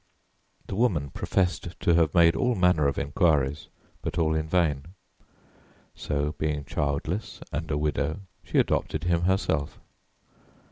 The woman professed to have made all manner of inquiries, but all in vain: so, being childless and a widow, she adopted him herself.